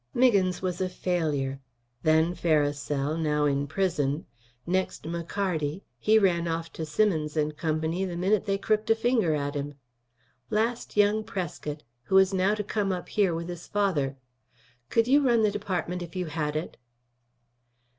"Miggins was a failure. Then Farisell; now in prison. Next, McCardy; he ran off to Simonds & Co. the minute they crooked a finger at him. Last, young Prescott, who is now to come up here with his father. Could you run the department if you had it?"